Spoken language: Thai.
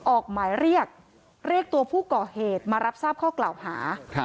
ออกหมายเรียกเรียกตัวผู้ก่อเหตุมารับทราบข้อกล่าวหา